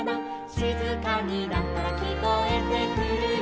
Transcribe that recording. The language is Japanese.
「しずかになったらきこえてくるよ」